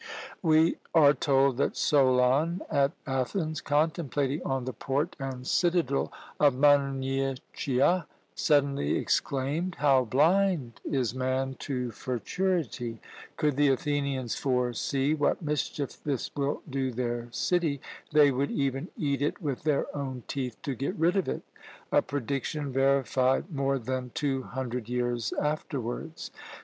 We are told that Solon at Athens, contemplating on the port and citadel of Munychia, suddenly exclaimed, "How blind is man to futurity! Could the Athenians foresee what mischief this will do their city, they would even eat it with their own teeth to get rid of it!" a prediction verified more than two hundred years afterwards!